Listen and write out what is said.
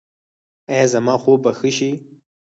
ایا زما خوب به ښه شي؟